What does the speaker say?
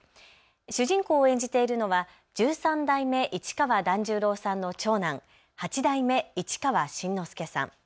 主人公を演じているのは十三代目市川團十郎さんの長男、長男、八代目市川新之助さん。